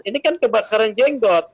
ini kan kebakaran jenggot